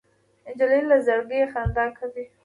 نجلۍ له زړګي خندا کوي.